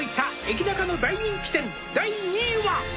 「駅ナカの大人気店第２位は」